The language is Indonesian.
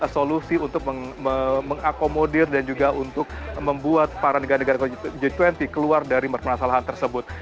solusi untuk mengakomodir dan juga untuk membuat para negara negara g dua puluh keluar dari permasalahan tersebut